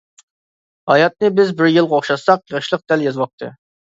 ھاياتنى بىز بىر يىلغا ئوخشاتساق، ياشلىق دەل، ياز ۋاقتى.